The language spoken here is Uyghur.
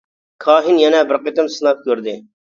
كاھىن يەنە بىر قېتىم سىناپ كۆردى.